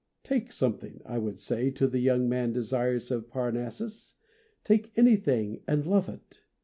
" Take something," I would say to the young man desirous of Parnassus, " take anything and love it